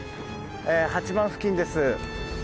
え８番付近です。